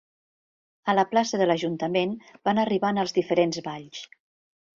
A la plaça de l'ajuntament van arribant els diferents balls.